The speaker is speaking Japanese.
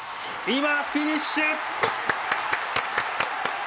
今フィニッシュ！